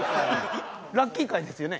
ラッキー回ですよね？